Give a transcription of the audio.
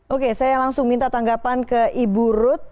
oke saya langsung minta tanggapan ke ibu ruth